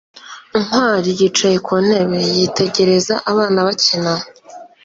ntwali yicaye ku ntebe, yitegereza abana bakina